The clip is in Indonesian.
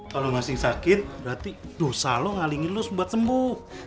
kalau masing masing sakit berarti dosa lo ngalingin lo sebuah sembuh